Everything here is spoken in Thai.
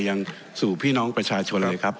ยังสู่พี่น้องประชาชนเลยครับ